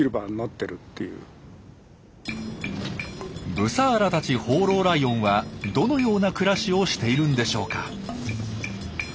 ブサーラたち放浪ライオンはどのような暮らしをしているんでしょうか。